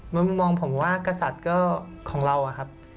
มุมมองผมว่ากษัตริย์ก็ของเราอะครับ